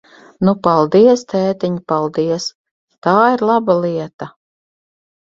Nu, paldies, tētiņ, paldies! Tā ir laba lieta!